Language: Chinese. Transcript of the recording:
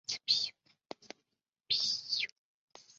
帕尔鲁瓦。